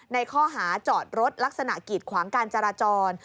ในข้อหาจอดรถลักษณะกีดขวางการจราจร